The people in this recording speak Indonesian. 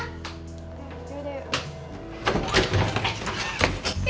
gini deh yuk